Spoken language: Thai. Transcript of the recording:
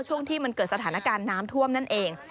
ช่วงที่มันเกิดสถานการณ์น้ำท่วมนั่นเอง